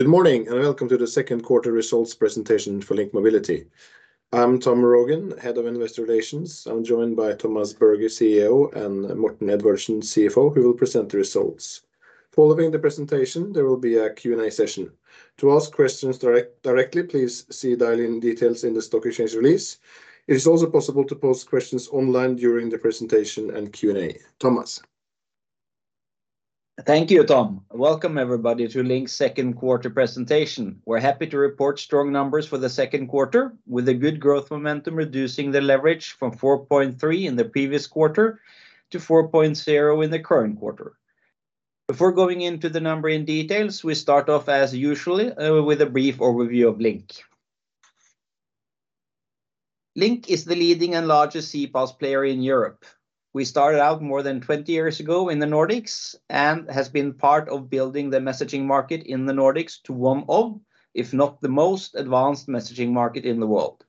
Good morning. Welcome to the Q2 results presentation for Link Mobility. I'm Tom Rogn, Head of Investor Relations. I'm joined by Thomas Berge, CEO, and Morten Edvardsen, CFO, who will present the results. Following the presentation, there will be a Q&A session. To ask questions directly, please see dial-in details in the stock exchange release. It is also possible to post questions online during the presentation and Q&A. Thomas? Thank you, Tom, and welcome everybody to Link's Q2 presentation. We're happy to report strong numbers for the Q2, with a good growth momentum, reducing the leverage from 4.3 in the previous quarter to 4.0 in the current quarter. Before going into the number in details, we start off as usually with a brief overview of Link. Link is the leading and largest CPaaS player in Europe. We started out more than 20 years ago in the Nordics, and has been part of building the messaging market in the Nordics to one of, if not the most advanced messaging market in the world.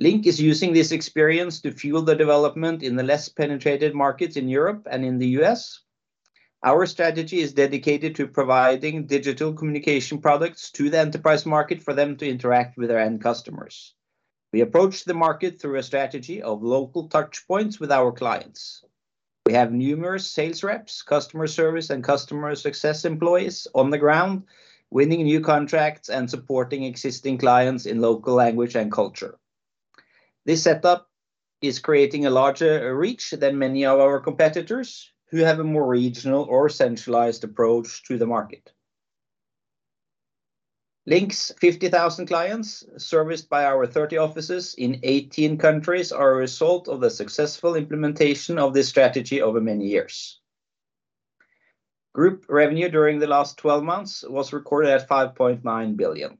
Link is using this experience to fuel the development in the less penetrated markets in Europe and in the US. Our strategy is dedicated to providing digital communication products to the enterprise market for them to interact with their end customers. We approach the market through a strategy of local touch points with our clients. We have numerous sales reps, customer service, and customer success employees on the ground, winning new contracts and supporting existing clients in local language and culture. This setup is creating a larger reach than many of our competitors, who have a more regional or centralized approach to the market. Link's 50,000 clients, serviced by our 30 offices in 18 countries, are a result of the successful implementation of this strategy over many years. Group revenue during the last 12 months was recorded at 5.9 billion.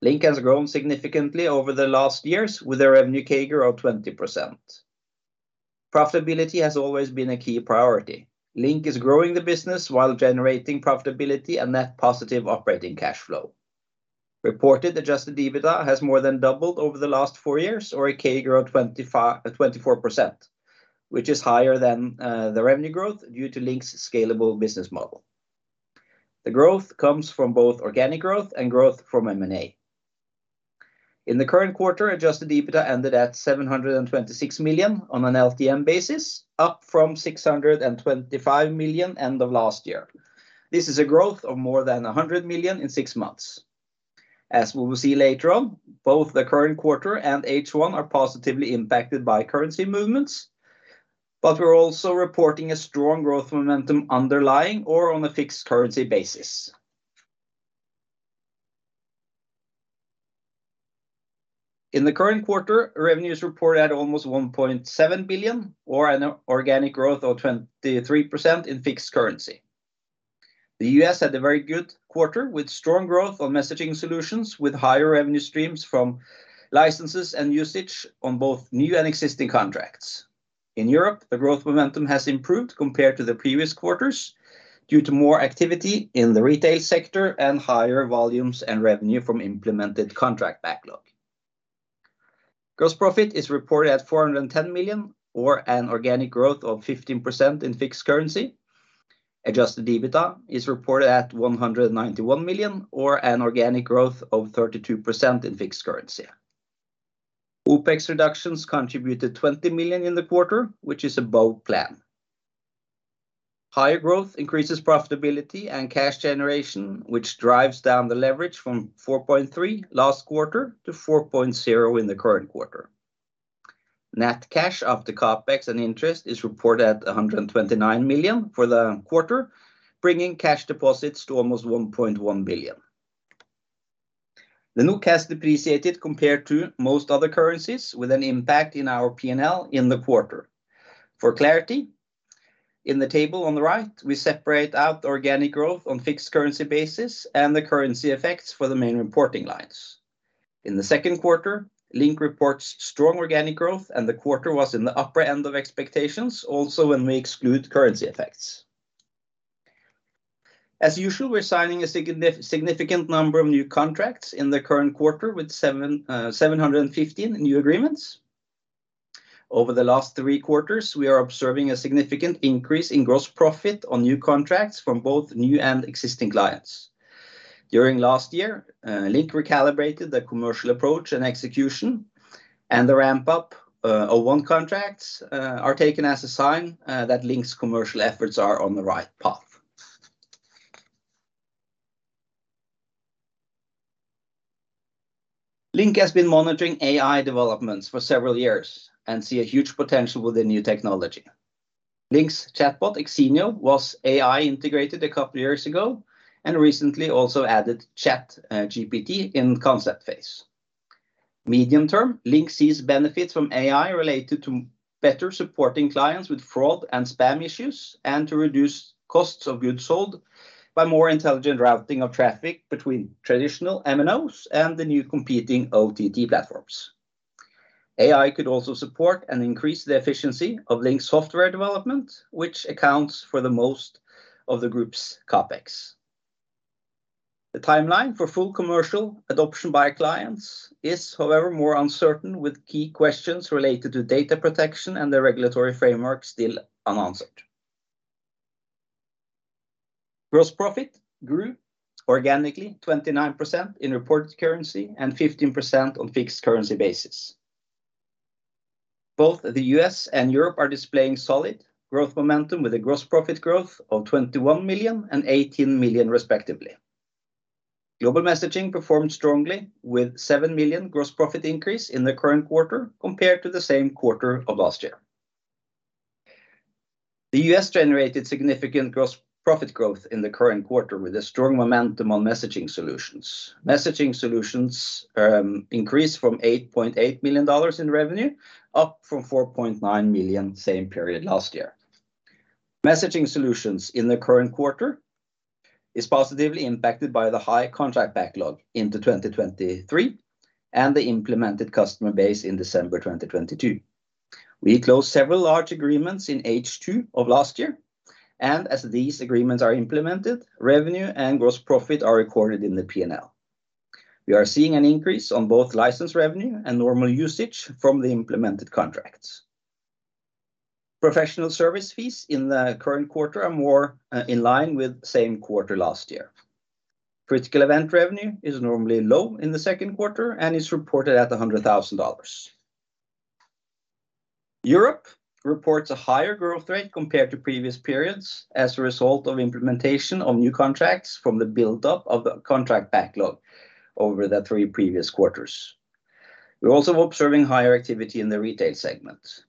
Link has grown significantly over the last years, with a revenue CAGR of 20%. Profitability has always been a key priority. Link is growing the business while generating profitability and net positive operating cash flow. Reported adjusted EBITDA has more than doubled over the last four years, or a CAGR of 24%, which is higher than the revenue growth due to Link's scalable business model. The growth comes from both organic growth and growth from M&A. In the current quarter, adjusted EBITDA ended at 726 million on an LTM basis, up from 625 million end of last year. This is a growth of more than 100 million in six months. As we will see later on, both the current quarter and H1 are positively impacted by currency movements. We're also reporting a strong growth momentum underlying or on a fixed currency basis. In the current quarter, revenues reported at almost 1.7 billion or an organic growth of 23% in fixed currency. The US had a very good quarter, with strong growth on messaging solutions, with higher revenue streams from licenses and usage on both new and existing contracts. In Europe, the growth momentum has improved compared to the previous quarters, due to more activity in the retail sector and higher volumes and revenue from implemented contract backlog. Gross profit is reported at 410 million, or an organic growth of 15% in fixed currency. Adjusted EBITDA is reported at 191 million, or an organic growth of 32% in fixed currency. OPEX reductions contributed 20 million in the quarter, which is above plan. Higher growth increases profitability and cash generation, which drives down the leverage from 4.3 last quarter to 4.0 in the current quarter. Net cash after CapEx and interest is reported at 129 million for the quarter, bringing cash deposits to almost 1.1 billion. The NOK has depreciated compared to most other currencies, with an impact in our P&L in the quarter. For clarity, in the table on the right, we separate out the organic growth on fixed currency basis and the currency effects for the main reporting lines. In the Q2, Link reports strong organic growth, and the quarter was in the upper end of expectations, also when we exclude currency effects. As usual, we're signing a significant number of new contracts in the current quarter with 715 new agreements. Over the last 3 quarters, we are observing a significant increase in gross profit on new contracts from both new and existing clients. During last year, Link recalibrated the commercial approach and execution, and the ramp up of won contracts are taken as a sign that Link's commercial efforts are on the right path. Link has been monitoring AI developments for several years and see a huge potential with the new technology. Link's chatbot, Xenioo, was AI-integrated 2 years ago and recently also added ChatGPT in concept phase. Medium term, Link sees benefits from AI related to better supporting clients with fraud and spam issues, and to reduce costs of goods sold by more intelligent routing of traffic between traditional MNOs and the new competing OTT platforms. AI could also support and increase the efficiency of Link's software development, which accounts for the most of the group's CapEx. The timeline for full commercial adoption by clients is, however, more uncertain, with key questions related to data protection and the regulatory framework still unanswered. Gross profit grew organically 29% in reported currency and 15% on fixed currency basis. Both the US and Europe are displaying solid growth momentum, with a gross profit growth of $21 million and $18 million respectively. Global Messaging performed strongly, with a $7 million gross profit increase in the current quarter compared to the same quarter of last year. The US generated significant gross profit growth in the current quarter, with a strong momentum on messaging solutions. Messaging solutions increased from $8.8 million in revenue, up from $4.9 million same period last year. Messaging solutions in the current quarter is positively impacted by the high contract backlog into 2023, and the implemented customer base in December 2022. We closed several large agreements in H2 of last year, and as these agreements are implemented, revenue and gross profit are recorded in the P&L. We are seeing an increase on both license revenue and normal usage from the implemented contracts. Professional service fees in the current quarter are more in line with same quarter last year. Critical event revenue is normally low in the Q2 and is reported at $100,000. Europe reports a higher growth rate compared to previous periods as a result of implementation of new contracts from the build-up of the contract backlog over the 3 previous quarters. We're also observing higher activity in the retail segment.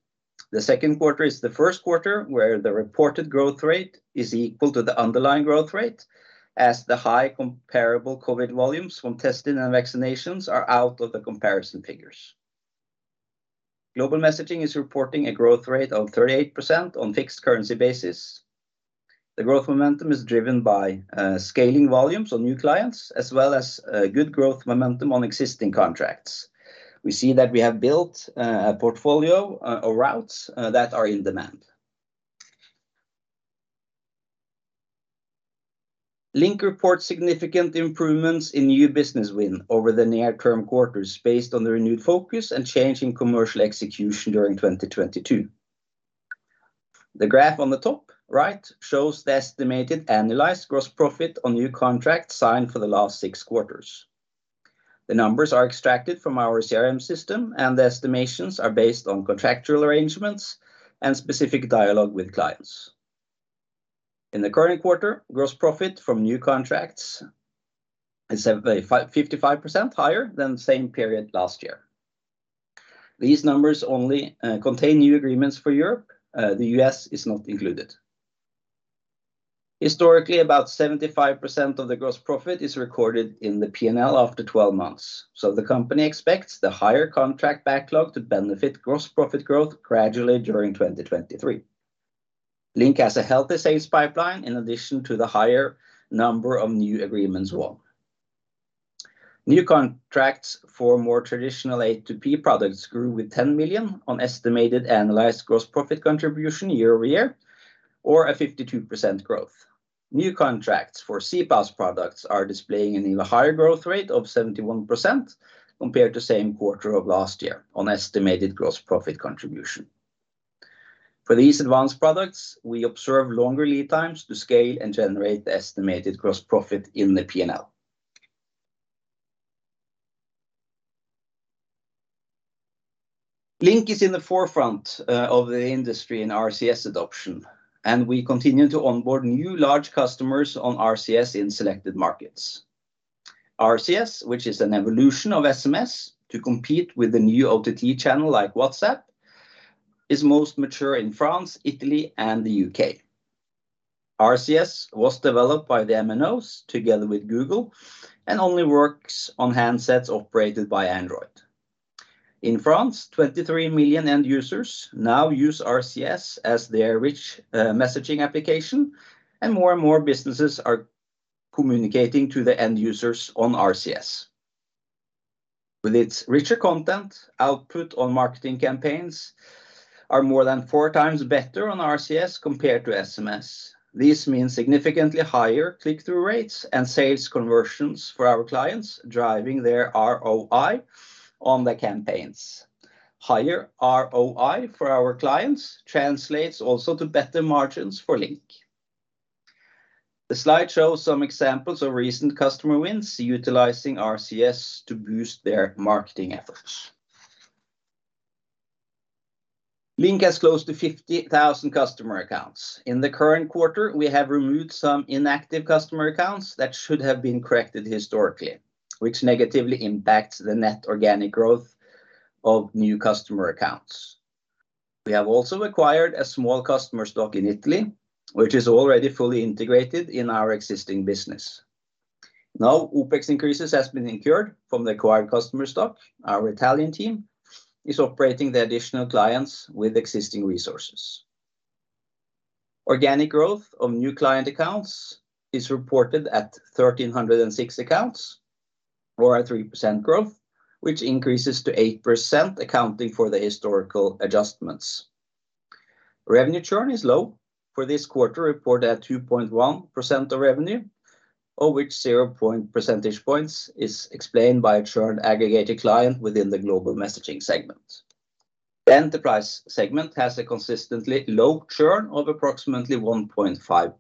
The Q2 is the Q1, where the reported growth rate is equal to the underlying growth rate, as the high comparable COVID volumes from testing and vaccinations are out of the comparison figures. Global Messaging is reporting a growth rate of 38% on fixed currency basis. The growth momentum is driven by scaling volumes on new clients, as well as good growth momentum on existing contracts. We see that we have built a portfolio, or routes, that are in demand. Link reports significant improvements in new business win over the near-term quarters, based on the renewed focus and change in commercial execution during 2022. The graph on the top right shows the estimated annualized gross profit on new contracts signed for the last 6 quarters. The numbers are extracted from our CRM system. The estimations are based on contractual arrangements and specific dialogue with clients. In the current quarter, gross profit from new contracts is 55% higher than the same period last year. These numbers only contain new agreements for Europe. The US is not included. Historically, about 75% of the gross profit is recorded in the P&L after 12 months. The company expects the higher contract backlog to benefit gross profit growth gradually during 2023. Link has a healthy sales pipeline in addition to the higher number of new agreements won. New contracts for more traditional A2P products grew with 10 million on estimated annualized gross profit contribution year-over-year, or a 52% growth. New contracts for CPaaS products are displaying an even higher growth rate of 71% compared to same quarter of last year on estimated gross profit contribution. For these advanced products, we observe longer lead times to scale and generate the estimated gross profit in the P&L. Link is in the forefront of the industry in RCS adoption, and we continue to onboard new large customers on RCS in selected markets. RCS, which is an evolution of SMS to compete with the new OTT channel, like WhatsApp, is most mature in France, Italy, and the UK. RCS was developed by the MNOs together with Google and only works on handsets operated by Android. In France, 23 million end users now use RCS as their rich messaging application, and more and more businesses are communicating to the end users on RCS. With its richer content, output on marketing campaigns are more than 4 times better on RCS compared to SMS. This means significantly higher click-through rates and sales conversions for our clients, driving their ROI on the campaigns. Higher ROI for our clients translates also to better margins for Link. The slide shows some examples of recent customer wins utilizing RCS to boost their marketing efforts. Link has close to 50,000 customer accounts. In the current quarter, we have removed some inactive customer accounts that should have been corrected historically, which negatively impacts the net organic growth of new customer accounts. We have also acquired a small customer stock in Italy, which is already fully integrated in our existing business. No OPEX increases has been incurred from the acquired customer stock. Our Italian team is operating the additional clients with existing resources. Organic growth of new client accounts is reported at 1,306 accounts, or a 3% growth, which increases to 8%, accounting for the historical adjustments. Revenue churn is low for this quarter, reported at 2.1% of revenue. Of which 0 percentage points is explained by a churn aggregated client within the Global Messaging segment. The enterprise segment has a consistently low churn of approximately 1.5%.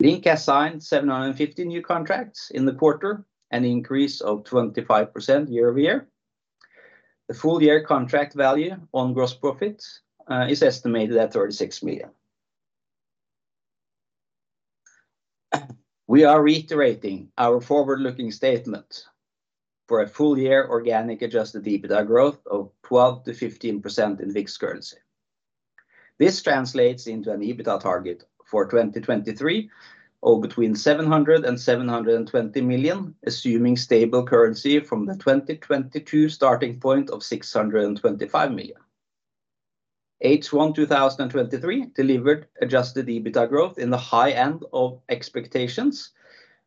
Link has signed 750 new contracts in the quarter, an increase of 25% year-over-year. The full year contract value on gross profits is estimated at 36 million. We are reiterating our forward-looking statement for a full year organic adjusted EBITDA growth of 12%-15% in fixed currency. This translates into an EBITDA target for 2023 of between 700 million and 720 million, assuming stable currency from the 2022 starting point of 625 million. H1 2023 delivered adjusted EBITDA growth in the high end of expectations,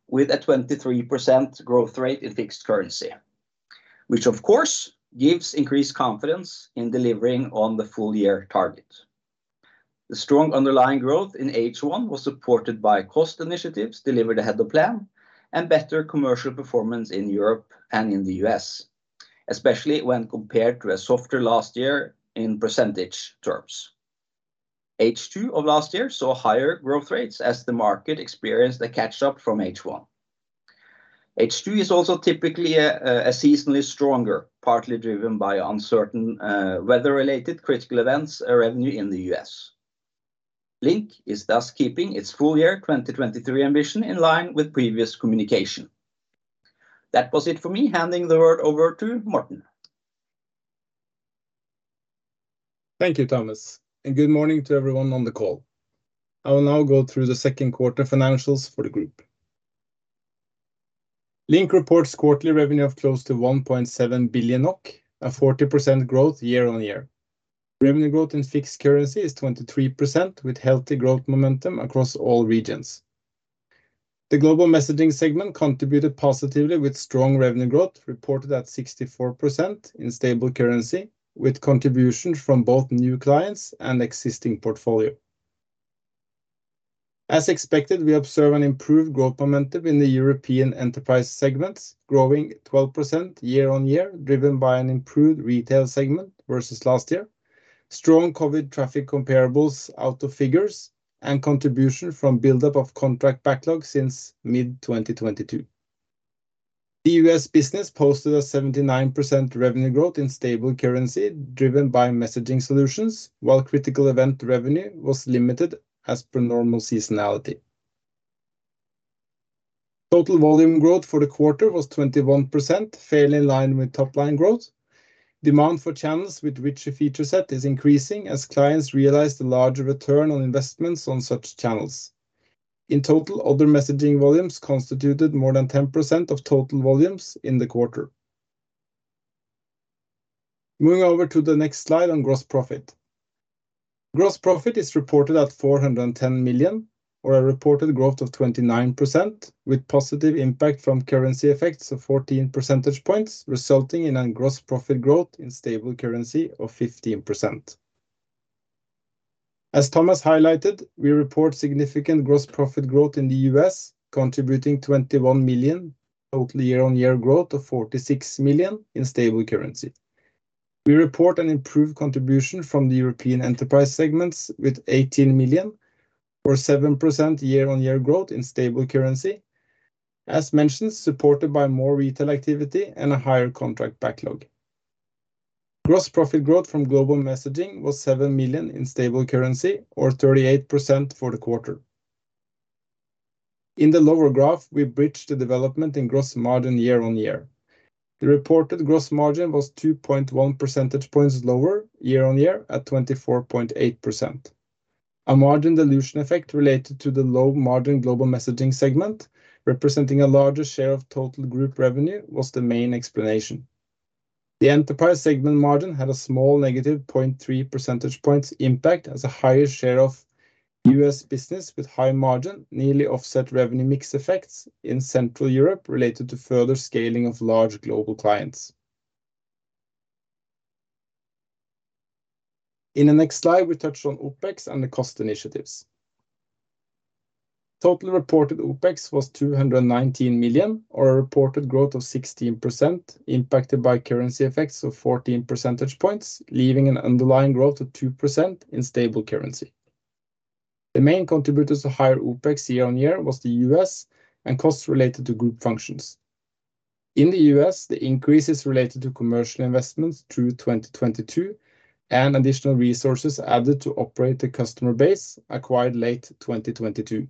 with a 23% growth rate in fixed currency, which of course, gives increased confidence in delivering on the full year target. The strong underlying growth in H1 was supported by cost initiatives delivered ahead of plan and better commercial performance in Europe and in the US, especially when compared to a softer last year in percentage terms. H2 of last year saw higher growth rates as the market experienced a catch-up from H1. H2 is also typically a seasonally stronger, partly driven by uncertain weather-related critical events, or revenue in the US. Link is thus keeping its full year 2023 ambition in line with previous communication. That was it for me, handing the word over to Morten. Thank you, Thomas, and good morning to everyone on the call. I will now go through the Q2 financials for the group. Link reports quarterly revenue of close to 1.7 billion NOK, a 40% growth year-on-year. Revenue growth in fixed currency is 23%, with healthy growth momentum across all regions. The Global Messaging segment contributed positively with strong revenue growth, reported at 64% in stable currency, with contributions from both new clients and existing portfolio. As expected, we observe an improved growth momentum in the European enterprise segments, growing 12% year-on-year, driven by an improved retail segment versus last year. Strong COVID traffic comparables out of figures and contribution from buildup of contract backlog since mid 2022. The US business posted a 79% revenue growth in stable currency, driven by messaging solutions, while critical event revenue was limited as per normal seasonality. Total volume growth for the quarter was 21%, fairly in line with top line growth. Demand for channels with richer feature set is increasing as clients realize the larger return on investments on such channels. In total, other messaging volumes constituted more than 10% of total volumes in the quarter. Moving over to the next slide on gross profit. Gross profit is reported at 410 million, or a reported growth of 29%, with positive impact from currency effects of 14 percentage points, resulting in a gross profit growth in stable currency of 15%. As Thomas highlighted, we report significant gross profit growth in the US, contributing 21 million, total year-on-year growth of 46 million in stable currency. We report an improved contribution from the European enterprise segments, with 18 million or 7% year-on-year growth in stable currency. As mentioned, supported by more retail activity and a higher contract backlog. Gross profit growth from Global Messaging was 7 million in stable currency, or 38% for the quarter. In the lower graph, we bridged the development in gross margin year-on-year. The reported gross margin was 2.1 percentage points lower year-on-year, at 24.8%. A margin dilution effect related to the low margin Global Messaging segment, representing a larger share of total group revenue, was the main explanation. The enterprise segment margin had a small negative 0.3 percentage points impact, as a higher share of US business with high margin, nearly offset revenue mix effects in Central Europe related to further scaling of large global clients. In the next slide, we touch on OpEx and the cost initiatives. Total reported OpEx was 219 million, or a reported growth of 16%, impacted by currency effects of 14 percentage points, leaving an underlying growth of 2% in stable currency. The main contributors to higher OpEx year-on-year was the US and costs related to group functions. In the US, the increase is related to commercial investments through 2022 and additional resources added to operate the customer base acquired late 2022.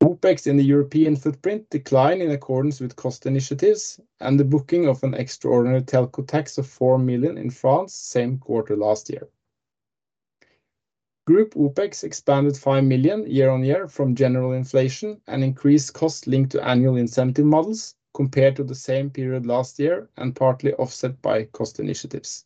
OpEx in the European footprint declined in accordance with cost initiatives and the booking of an extraordinary telco tax of 4 million in France, same quarter last year. Group OpEx expanded 5 million year-on-year from general inflation and increased costs linked to annual incentive models, compared to the same period last year, and partly offset by cost initiatives.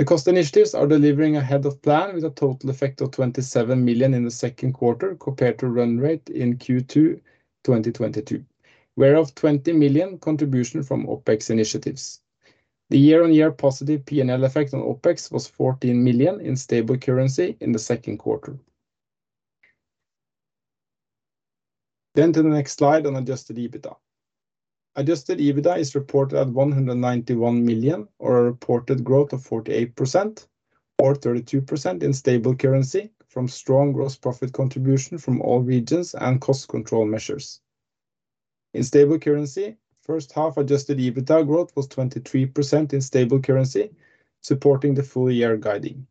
The cost initiatives are delivering ahead of plan, with a total effect of 27 million in the Q2, compared to run rate in Q2 2022, whereof 20 million contribution from OPEX initiatives. The year-on-year positive P&L effect on OPEX was 14 million in stable currency in the Q2. To the next slide on adjusted EBITDA. Adjusted EBITDA is reported at 191 million, or a reported growth of 48%, or 32% in stable currency from strong gross profit contribution from all regions and cost control measures. In stable currency, H1 adjusted EBITDA growth was 23% in stable currency, supporting the full year guiding.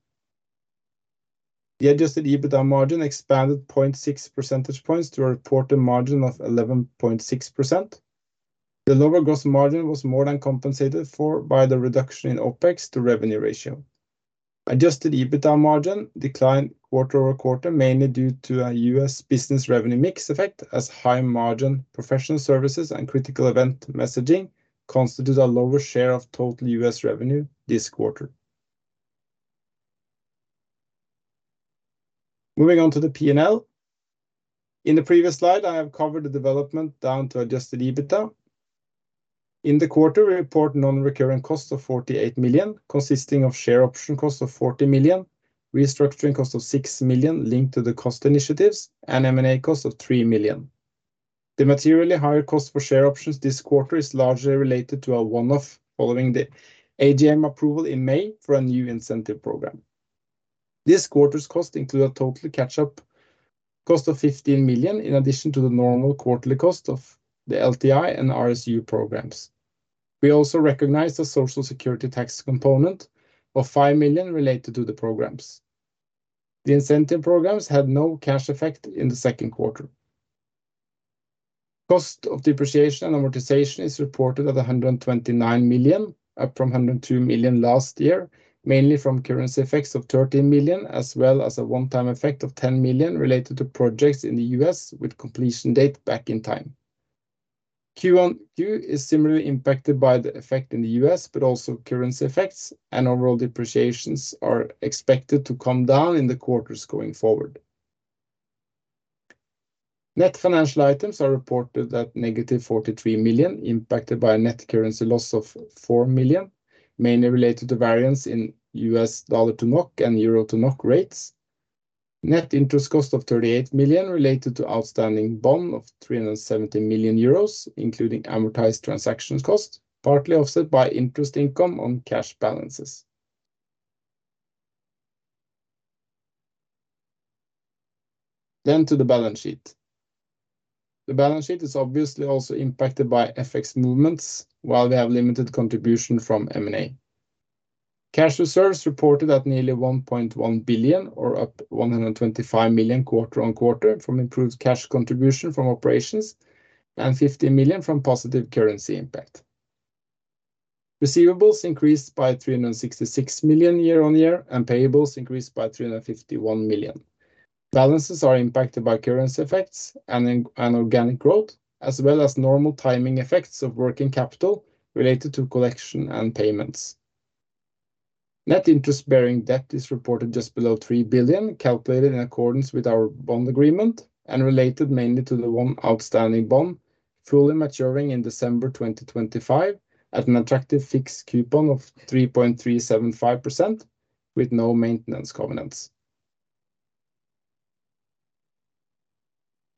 The adjusted EBITDA margin expanded 0.6 percentage points to a reported margin of 11.6%. The lower gross margin was more than compensated for by the reduction in OPEX to revenue ratio. Adjusted EBITDA margin declined quarter-over-quarter, mainly due to a US business revenue mix effect, as high margin professional services and critical event messaging constituted a lower share of total US revenue this quarter. Moving on to the P&L. In the previous slide, I have covered the development down to adjusted EBITDA. In the quarter, we report non-recurring costs of 48 million, consisting of share option cost of 40 million, restructuring cost of 6 million linked to the cost initiatives, and M&A cost of 3 million. The materially higher cost per share options this quarter is largely related to a one-off following the AGM approval in May for a new incentive program. This quarter's cost include a total catch-up cost of 15 million, in addition to the normal quarterly cost of the LTI and RSU programs. We also recognize the Social Security tax component of 5 million related to the programs. The incentive programs had no cash effect in the Q2. Cost of depreciation and amortization is reported at 129 million, up from 102 million last year, mainly from currency effects of 13 million, as well as a one-time effect of 10 million related to projects in the US, with completion date back in time. Q on Q is similarly impacted by the effect in the US, but also currency effects and overall depreciations are expected to come down in the quarters going forward. Net financial items are reported at negative 43 million, impacted by a net currency loss of 4 million, mainly related to variance in US dollar to NOK and euro to NOK rates. Net interest cost of 38 million related to outstanding bond of 370 million euros, including amortized transaction costs, partly offset by interest income on cash balances. To the balance sheet. The balance sheet is obviously also impacted by FX movements, while we have limited contribution from M&A. Cash reserves reported at nearly 1.1 billion or up 125 million quarter-on-quarter from improved cash contribution from operations, and 50 million from positive currency impact. Receivables increased by 366 million year-on-year, and payables increased by 351 million. Balances are impacted by currency effects and organic growth, as well as normal timing effects of working capital related to collection and payments. Net interest-bearing debt is reported just below 3 billion, calculated in accordance with our bond agreement and related mainly to the one outstanding bond, fully maturing in December 2025, at an attractive fixed coupon of 3.375%, with no maintenance covenants.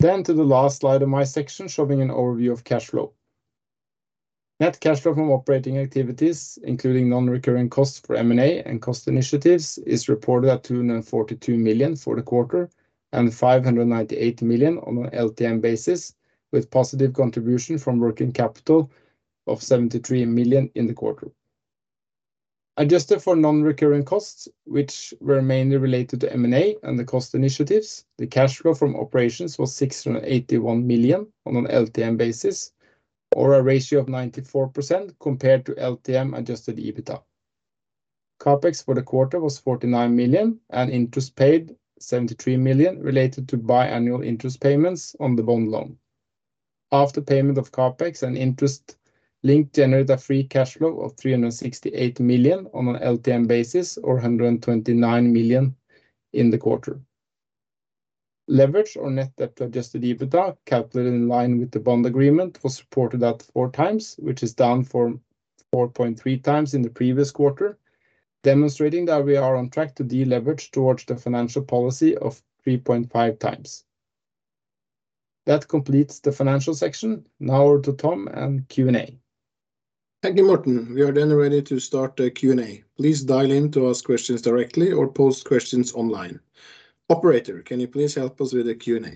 To the last slide of my section, showing an overview of cash flow. Net cash flow from operating activities, including non-recurring costs for M&A and cost initiatives, is reported at 242 million for the quarter and 598 million on an LTM basis, with positive contribution from working capital of 73 million in the quarter. Adjusted for non-recurring costs, which were mainly related to M&A and the cost initiatives, the cash flow from operations was 681 million on an LTM basis, or a ratio of 94% compared to LTM adjusted EBITDA. CapEx for the quarter was 49 million, and interest paid 73 million, related to biannual interest payments on the bond loan. After payment of CapEx and interest, Link generated a free cash flow of 368 million on an LTM basis, or 129 million in the quarter. Leverage or net debt to adjusted EBITDA, calculated in line with the bond agreement, was supported at 4 times, which is down from 4.3 times in the previous quarter, demonstrating that we are on track to deleverage towards the financial policy of 3.5 times. That completes the financial section. Now to Tom and Q&A. Thank you, Morten. We are ready to start the Q&A. Please dial in to ask questions directly or post questions online. Operator, can you please help us with the Q&A?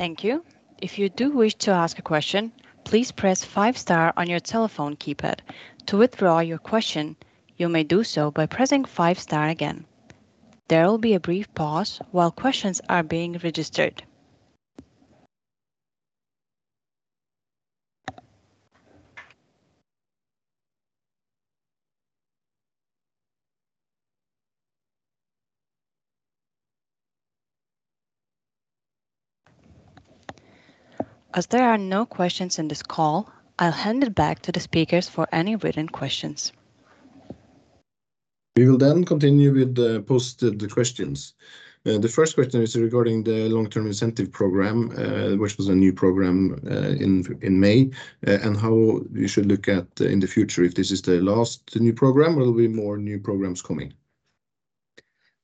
Thank you. If you do wish to ask a question, please press five star on your telephone keypad. To withdraw your question, you may do so by pressing five star again. There will be a brief pause while questions are being registered. As there are no questions in this call, I'll hand it back to the speakers for any written questions. We will continue with the posted questions. The first question is regarding the long-term incentive program, which was a new program in May, and how we should look at in the future, if this is the last new program or will be more new programs coming?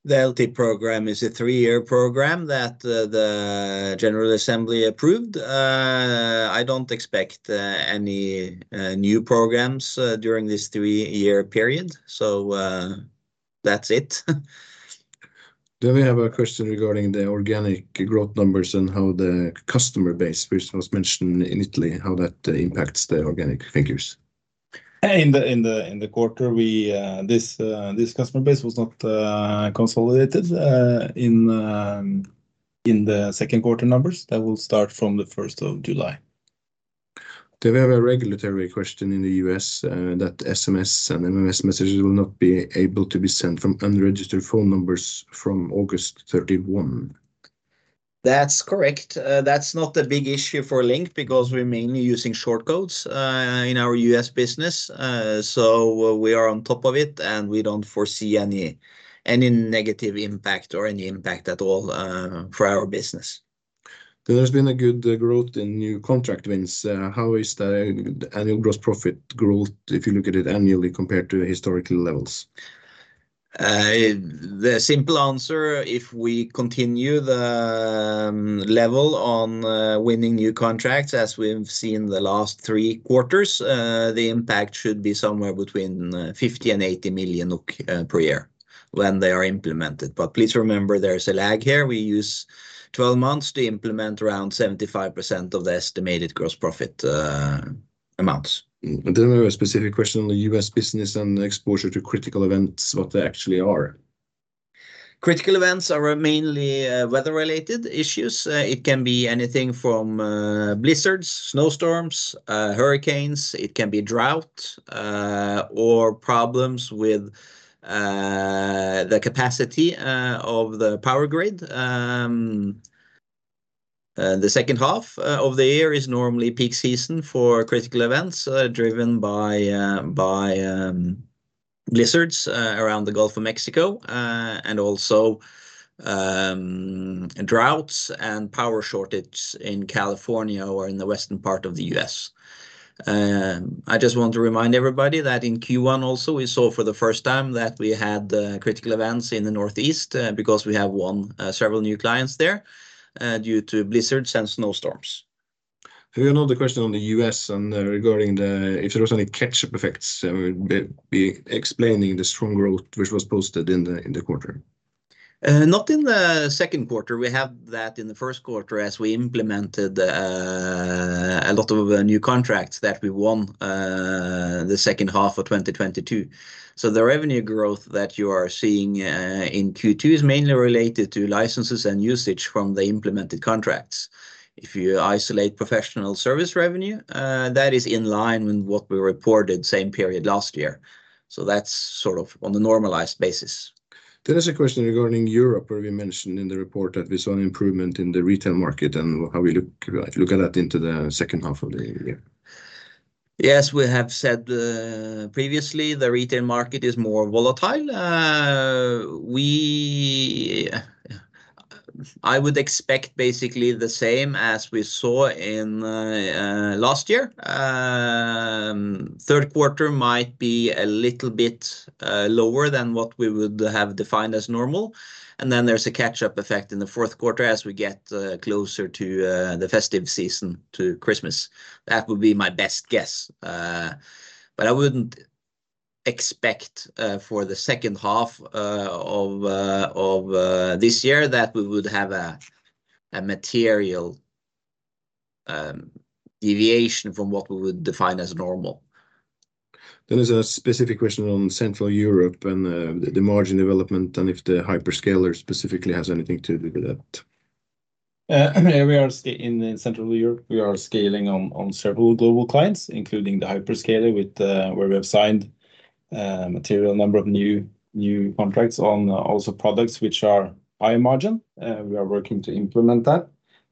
The LT program is a three-year program that the General Assembly approved. I don't expect any new programs during this three-year period, so that's it. We have a question regarding the organic growth numbers and how the customer base, which was mentioned in Italy, how that impacts the organic figures. In the quarter, we, this customer base was not consolidated in the Q2 numbers. That will start from the first of July. We have a regulatory question in the US that SMS and MMS messages will not be able to be sent from unregistered phone numbers from August 31. That's correct. That's not a big issue for Link because we're mainly using short codes in our US business. We are on top of it, and we don't foresee any, any negative impact or any impact at all for our business. There's been a good growth in new contract wins. How is the annual gross profit growth, if you look at it annually compared to historical levels? The simple answer, if we continue the level on winning new contracts, as we've seen the last three quarters, the impact should be somewhere between 50 million and 80 million NOK per year when they are implemented. Please remember, there's a lag here. We use 12 months to implement around 75% of the estimated gross profit amounts. Mm. Then we have a specific question on the US business and exposure to critical events, what they actually are. Critical events are mainly weather-related issues. It can be anything from blizzards, snowstorms, hurricanes, it can be drought or problems with the capacity of the power grid. The second half of the year is normally peak season for critical events, driven by blizzards around the Gulf of Mexico, and also droughts and power shortage in California or in the western part of the US. I just want to remind everybody that in Q1 also, we saw for the first time that we had critical events in the northeast because we have won several new clients there due to blizzards and snowstorms. We have another question on the US and regarding the-- if there was any catch-up effects, explaining the strong growth, which was posted in the, in the quarter. Not in the Q2. We have that in the Q1 as we implemented a lot of new contracts that we won the second half of 2022. The revenue growth that you are seeing in Q2 is mainly related to licenses and usage from the implemented contracts. If you isolate professional service revenue, that is in line with what we reported same period last year, so that's sort of on a normalized basis. There is a question regarding Europe, where we mentioned in the report that we saw an improvement in the retail market and how we look at that into the second half of the year. Yes, we have said previously, the retail market is more volatile. We I would expect basically the same as we saw in last year. Q3 might be a little bit lower than what we would have defined as normal, and then there's a catch-up effect in the Q4 as we get closer to the festive season, to Christmas. That would be my best guess. I wouldn't expect for the 2nd half of of this year that we would have a a material deviation from what we would define as normal. There is a specific question on Central Europe and the margin development, and if the hyperscaler specifically has anything to do with that. We are in Central Europe, we are scaling on several global clients, including the hyperscaler, with where we have signed material number of new contracts on also products which are high margin. We are working to implement that.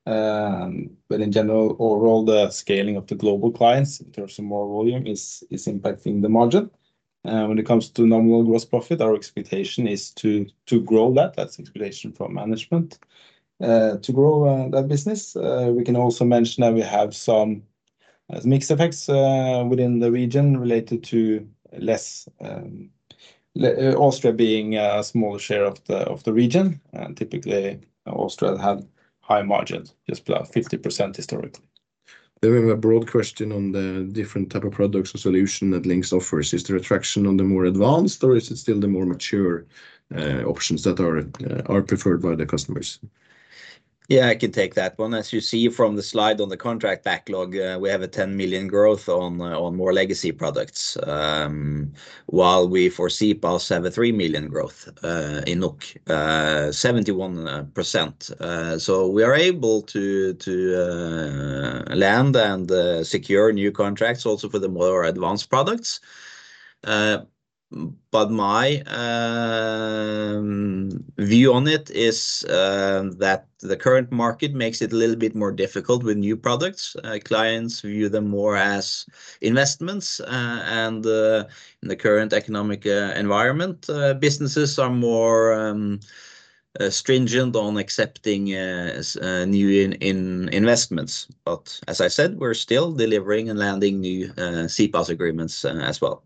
In general, overall, the scaling of the global clients in terms of more volume is impacting the margin. When it comes to nominal gross profit, our expectation is to grow that. That's expectation from management, to grow that business. We can also mention that we have some mixed effects within the region related to less Austria being a smaller share of the region, and typically, Austria had high margins, just above 50% historically. We have a broad question on the different type of products or solution that Link offers. Is there a traction on the more advanced, or is it still the more mature options that are preferred by the customers? Yeah, I can take that one. As you see from the slide on the contract backlog, we have 10 million growth on, on more legacy products, while we foresee about 73 million growth, 71%. We are able to, to, land and, secure new contracts also for the more advanced products. My view on it is that the current market makes it a little bit more difficult with new products. Clients view them more as investments, and in the current economic environment, businesses are more stringent on accepting as new in, in investments. As I said, we're still delivering and landing new CPaaS agreements as well.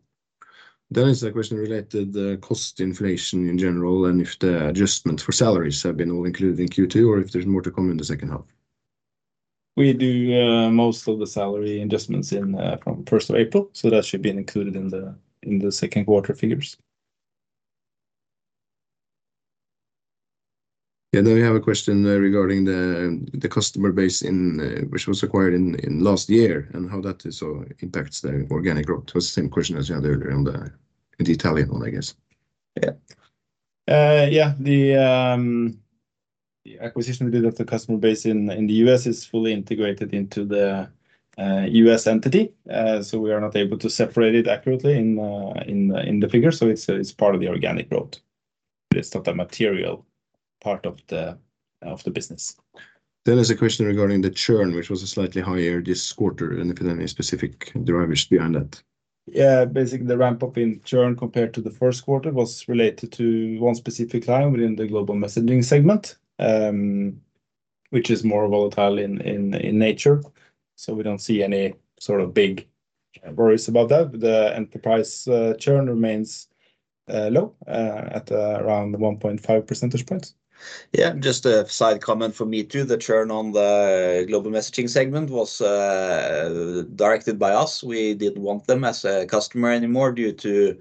There's a question related to the cost inflation in general, and if the adjustment for salaries have been all included in Q2, or if there's more to come in the second half. We do, most of the salary adjustments in, from the 1st of April, so that should have been included in the, in the Q2 figures. Yeah, we have a question regarding the, the customer base in, which was acquired in, in last year, and how that is, impacts the organic growth. Same question as you had earlier on the, the Italian one, I guess. Yeah. Yeah, the acquisition we did of the customer base in the U.S. is fully integrated into the U.S. entity. We are not able to separate it accurately in the figures. It's part of the organic growth, but it's not a material part of the business. There's a question regarding the churn, which was slightly higher this quarter, and if there are any specific drivers behind that. Yeah, basically, the ramp up in churn compared to the Q1, was related to one specific time within the Global Messaging segment, which is more volatile in nature. We don't see any sort of big worries about that. The enterprise churn remains low at around 1.5 percentage points. Yeah, just a side comment from me, too. The churn on the Global Messaging segment was directed by us. We didn't want them as a customer anymore due to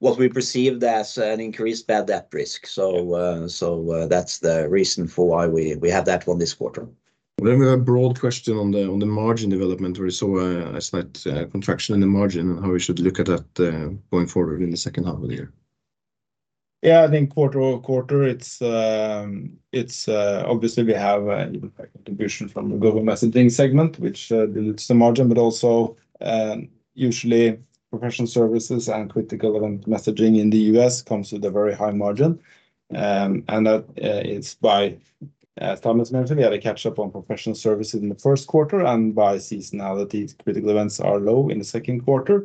what we perceived as an increased bad debt risk. That's the reason for why we, we have that one this quarter. We have a broad question on the, on the margin development, where we saw a, a slight contraction in the margin, and how we should look at that going forward in the second half of the year? Yeah, I think quarter-over-quarter, it's, obviously, we have a contribution from the Global Messaging segment, which dilutes the margin, but also, usually professional services and critical event messaging in the US comes with a very high margin. That is by, as Thomas mentioned, we had to catch up on professional services in the Q1, and by seasonality, critical events are low in the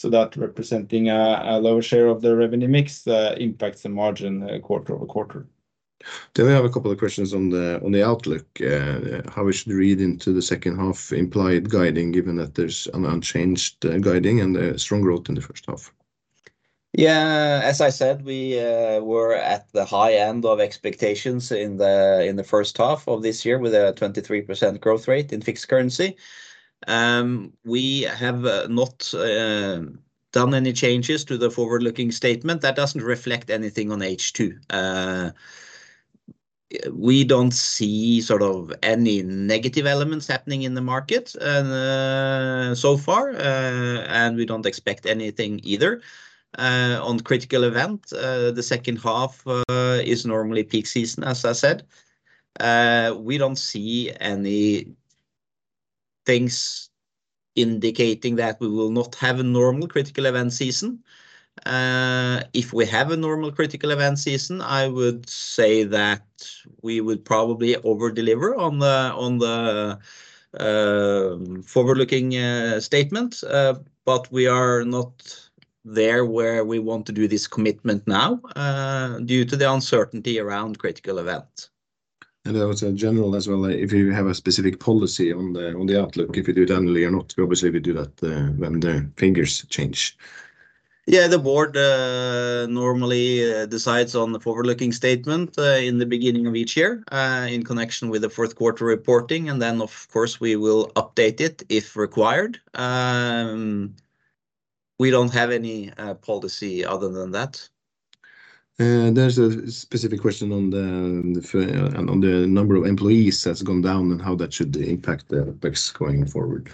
Q2. That representing a lower share of the revenue mix, impacts the margin quarter-over-quarter. We have a couple of questions on the, on the outlook, how we should read into the second half implied guiding, given that there's an unchanged, guiding and a strong growth in the first half. Yeah, as I said, we were at the high end of expectations in the first half of this year, with a 23% growth rate in fixed currency. We have not done any changes to the forward-looking statement. That doesn't reflect anything on H2. We don't see sort of any negative elements happening in the market so far, and we don't expect anything either. On critical event, the second half is normally peak season, as I said. We don't see any things indicating that we will not have a normal critical event season. If we have a normal critical event season, I would say that we would probably over-deliver on the forward-looking statement. We are not there, where we want to do this commitment now, due to the uncertainty around critical event. Also in general as well, if you have a specific policy on the, on the outlook, if you do it annually or not, obviously, we do that, when the figures change. Yeah, the board normally decides on the forward-looking statement in the beginning of each year in connection with the Q4 reporting, and then, of course, we will update it if required. We don't have any policy other than that. There's a specific question on the, on the number of employees that's gone down and how that should impact the OPEX going forward.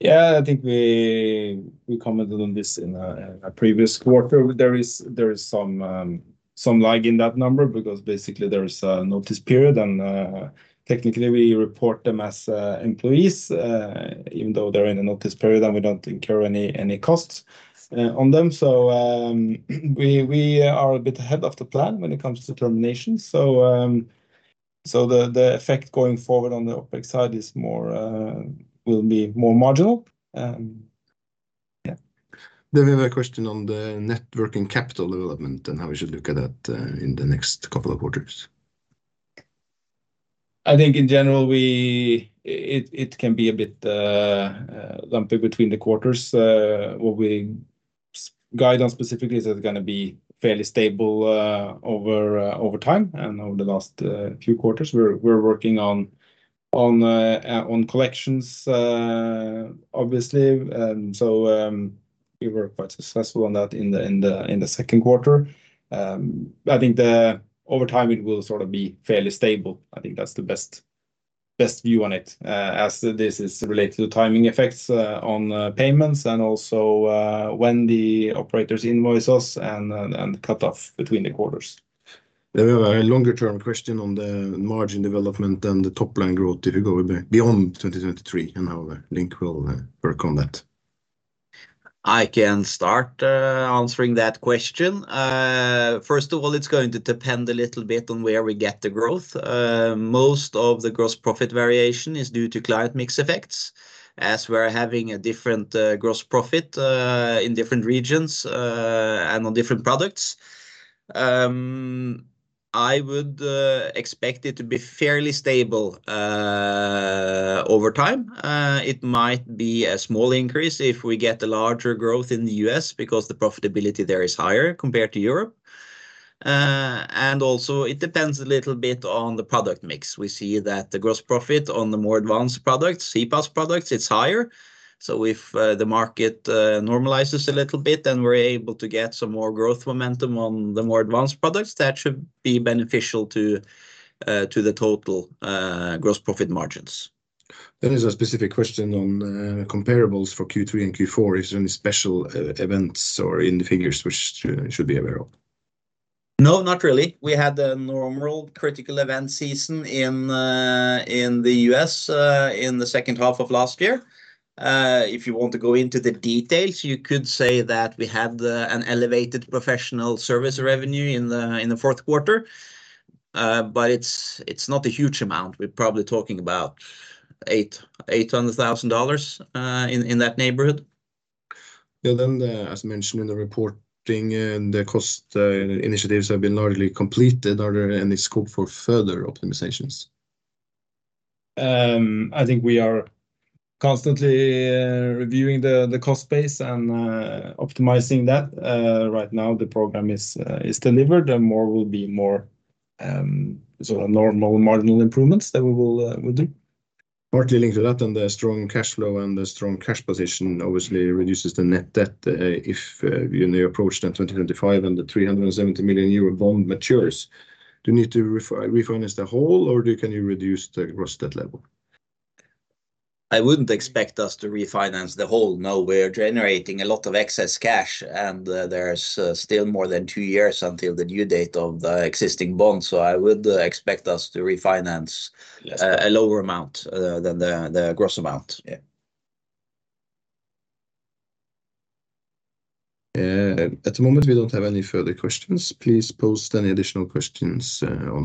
Yeah, I think we, we commented on this in a previous quarter. There is, there is some, some lag in that number, because basically there is a notice period, and technically, we report them as employees, even though they're in a notice period, and we don't incur any, any costs on them. We, we are a bit ahead of the plan when it comes to termination. The, the effect going forward on the OpEx side is more, will be more marginal. Yeah. We have a question on the net working capital development, and how we should look at that, in the next couple of quarters. I think in general, it can be a bit lumpy between the quarters. What we guide on specifically, is it's gonna be fairly stable over over time and over the last few quarters. We're, we're working on, on collections, obviously. We were quite successful on that in the, in the, in the Q2. I think over time it will sort of be fairly stable. I think that's the best, best view on it. As this is related to timing effects, on payments and also, when the operators invoice us and, and cut off between the quarters. We have a longer-term question on the margin development and the top-line growth, if you go beyond 2023, and how Link will work on that. I can start answering that question. First of all, it's going to depend a little bit on where we get the growth. Most of the gross profit variation is due to client mix effects, as we're having a different gross profit in different regions and on different products. I would expect it to be fairly stable over time. It might be a small increase if we get a larger growth in the US because the profitability there is higher compared to Europe. Also it depends a little bit on the product mix. We see that the gross profit on the more advanced products, CPaaS products, it's higher. If the market normalizes a little bit, and we're able to get some more growth momentum on the more advanced products, that should be beneficial to the total gross profit margins. There is a specific question on comparables for Q3 and Q4. Is there any special events or in the figures which we should be aware of? No, not really. We had the normal critical event season in the US in the second half of last year. If you want to go into the details, you could say that we had an elevated professional service revenue in the Q4. It's not a huge amount. We're probably talking about $800,000 in that neighborhood. The, as mentioned in the reporting and the cost initiatives have been largely completed, are there any scope for further optimizations? I think we are constantly reviewing the cost base and optimizing that. Right now, the program is delivered, and more will be more sort of normal marginal improvements that we will we'll do. Partly linked to that and the strong cash flow, and the strong cash position obviously reduces the net debt. If, you know, approach then 2025 and the 370 million euro bond matures, do you need to refinance the whole, or can you reduce the gross debt level? I wouldn't expect us to refinance the whole, no. We are generating a lot of excess cash, and there's still more than two years until the due date of the existing bond. I would expect us to refinance- Yes. A lower amount than the gross amount. Yeah. At the moment, we don't have any further questions. Please post any additional questions, on-